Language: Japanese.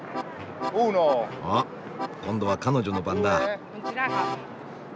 あっ今度は彼女の番だ。